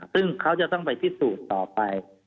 ซึ่งเขาจะต้องไปพิสูจน์ต่อไป